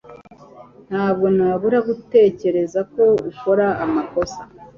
Ntabwo nabura gutekereza ko ukora amakosa